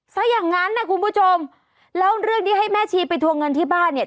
ซะอย่างนั้นนะคุณผู้ชมแล้วเรื่องที่ให้แม่ชีไปทวงเงินที่บ้านเนี่ย